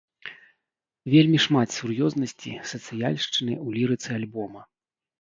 Вельмі шмат сур'ёзнасці, сацыяльшчыны ў лірыцы альбома.